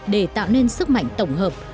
để tạo nên sức mạnh tổng hợp